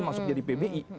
masuk jadi pbi